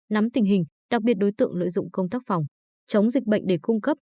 nắm tình hình đặc biệt đối tượng lợi dụng công tác phòng chống dịch bệnh để cung cấp